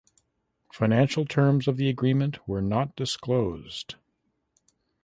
Financial terms of the agreement were not disclosed.